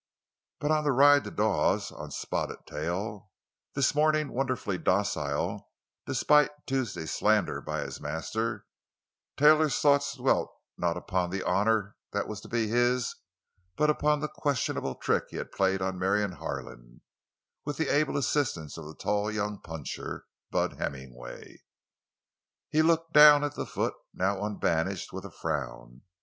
But on the ride to Dawes—on Spotted Tail—(this morning wonderfully docile despite Tuesday's slander by his master)—Taylor's thoughts dwelt not upon the honor that was to be his, but upon the questionable trick he had played on Marion Harlan, with the able assistance of the tall young puncher, Bud Hemmingway. He looked down at the foot, now unbandaged, with a frown.